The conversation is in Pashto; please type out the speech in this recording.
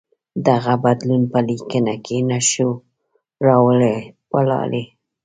دغه بدلون په لیکنه کې نه شو راوړلای.